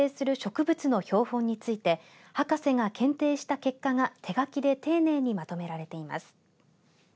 半島周辺に自生する植物の標本について博士が検定した結果が手書きで丁寧にまとめられています。